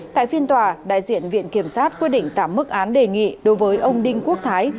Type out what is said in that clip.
tại phiên tòa đại diện viện kiểm sát quyết định giảm mức án đề nghị đối với ông đinh quốc thái